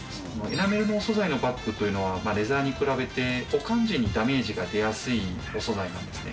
エナメルのお素材のバッグというのは、レザーに比べて、保管時にダメージが出やすいお素材なんですね。